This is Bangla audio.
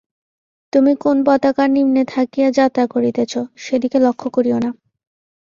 তুমি কোন পতাকার নিম্নে থাকিয়া যাত্রা করিতেছ, সেদিকে লক্ষ্য করিও না।